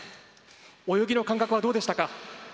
泳ぎの感覚はどうでしたか？